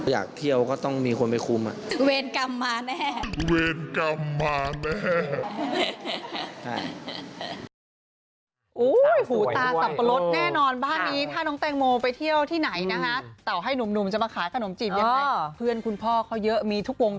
อยากเที่ยวก็ต้องมีคนไปคุม